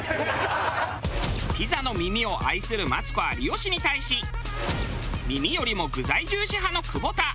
ピザの耳を愛するマツコ有吉に対し耳よりも具材重視派の久保田。